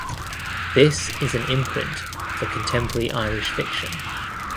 This is an imprint for contemporary Irish fiction.